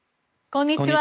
こんにちは。